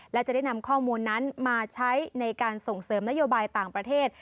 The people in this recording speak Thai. และจะได้นำข้อมูลนั้นมาใช้ในการส่งเสริมนโยบายต่างประเทศ